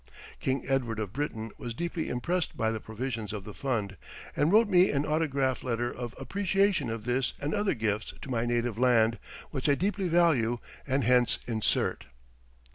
King Edward of Britain was deeply impressed by the provisions of the fund, and wrote me an autograph letter of appreciation of this and other gifts to my native land, which I deeply value, and hence insert.